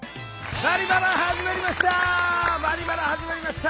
「バリバラ」始まりました！